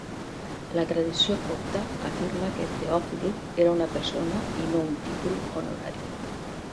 La tradició copta afirma que Teòfil era una persona i no un títol honorari.